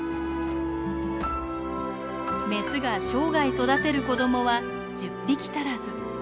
メスが生涯育てる子供は１０匹たらず。